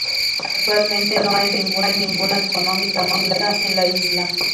Actualmente, no hay ninguna actividad económica en la isla.